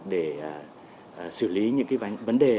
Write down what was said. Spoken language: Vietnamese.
để xử lý những vấn đề